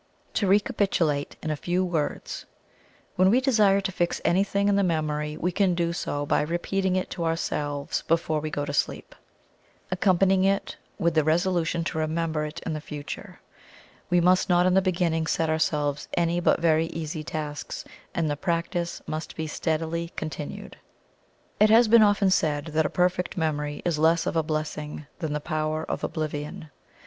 To recapitulate in a few words. When we desire to fix anything in the memory we can do so by repeating it to ourselves before we go to sleep, accompanying it with the resolution to remember it in future. We must not in the beginning set ourselves any but very easy tasks, and the practice must be steadily continued. It has been often said that a perfect memory is less of a blessing than the power of oblivion.